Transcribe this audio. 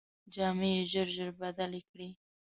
جامې یې ژر ژر بدلې کړې.